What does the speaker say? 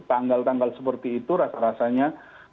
tanggal tanggal seperti itu rasa rasanya